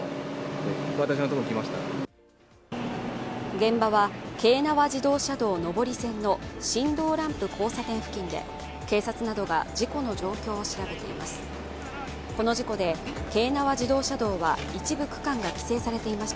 現場は京奈和自動車道上り線の新堂ランプ交差点付近で警察などが、事故の状況を調べています。